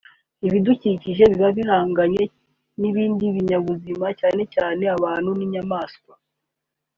ibidukikije biba bihanganye n'ibindi binyabuzima cyane cyane abantu n'inyamaswa